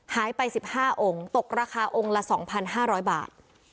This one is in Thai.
หายไปสิบห้าองค์ตกราคาองค์ละสองพันห้าร้อยบาท